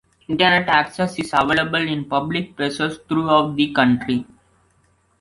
Internet access is available in public places throughout the country.